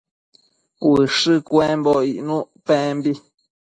ushë cuembo icnuc pembi